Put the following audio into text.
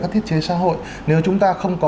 các thiết chế xã hội nếu chúng ta không có